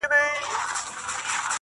خــو ســــمـدم،